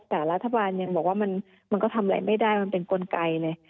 แต่รัฐบาลยังบอกว่ามันก็ทำอะไรไม่ได้มันเป็นกลไกเลย